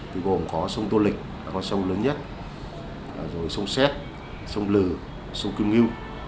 vì gồm có sông tô lịch là con sông lớn nhất rồi sông xét sông lừ sông cương ngư